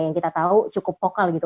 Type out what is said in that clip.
yang kita tahu cukup vokal gitu